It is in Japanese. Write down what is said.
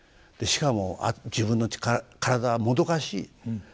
しかも自分の体はもどかしい。